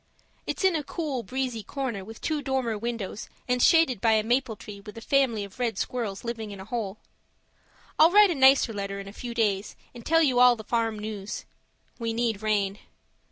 It's in a cool, breezy corner with two dormer windows, and shaded by a maple tree with a family of red squirrels living in a hole. I'll write a nicer letter in a few days and tell you all the farm news. We need rain.